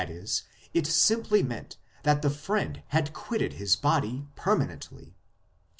e. it simply meant that the friend had quitted his body permanently.